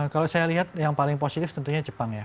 kalau saya lihat yang paling positif tentunya jepang ya